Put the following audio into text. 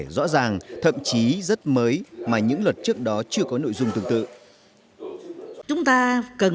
rõ ràng thậm chí rất mới mà những luật trước đó chưa có nội dung tương tự